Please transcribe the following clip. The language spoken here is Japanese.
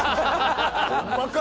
ほんまか？